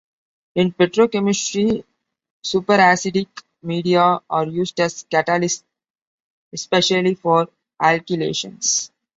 In petrochemistry, superacidic media are used as catalysts, especially for alkylations.